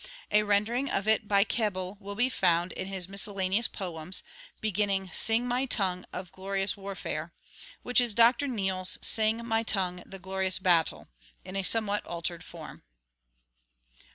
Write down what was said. A rendering of it by Keble will be found in his "Miscellaneous Poems," beginning, "Sing, my tongue, of glorious warfare," which is Dr. Neale's "Sing, my tongue, the glorious battle," in a somewhat altered form.